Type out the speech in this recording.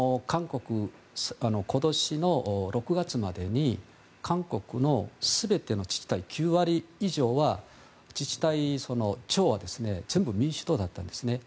今年の６月までに韓国の全ての自治体９割以上の自治体の長は全部民主党だったんですね。